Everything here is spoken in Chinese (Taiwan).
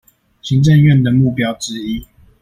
行政院的目標之一